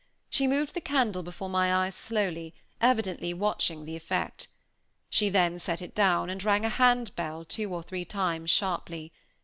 She moved the candle before my eyes slowly, evidently watching the effect. She then set it down, and rang a handball two or three times sharply.